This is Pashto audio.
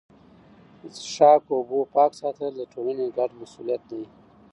د څښاک اوبو پاک ساتل د ټولني ګډ مسوولیت دی.